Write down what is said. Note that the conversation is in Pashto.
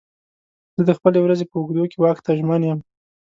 زه د خپلې ورځې په اوږدو کې واک ته ژمن یم.